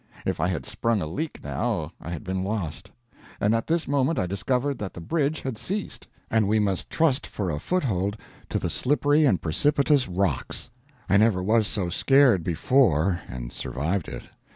If I had sprung a leak now I had been lost. And at this moment I discovered that the bridge had ceased, and we must trust for a foothold to the slippery and precipitous rocks. I never was so scared before and survived it.